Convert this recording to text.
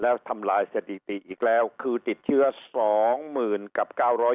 แล้วทำลายสถิติอีกแล้วคือติดเชื้อ๒๐๐๐กับ๙๐